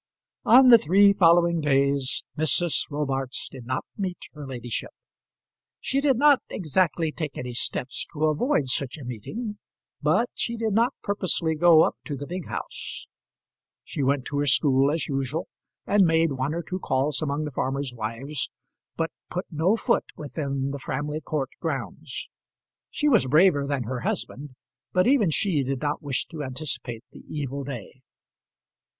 On the three following days, Mrs. Robarts did not meet her ladyship. She did not exactly take any steps to avoid such a meeting, but she did not purposely go up to the big house. She went to her school as usual, and made one or two calls among the farmers' wives, but put no foot within the Framley Court grounds. She was braver than her husband, but even she did not wish to anticipate the evil day.